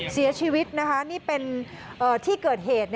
เสียชีวิตนะคะนี่เป็นที่เกิดเหตุ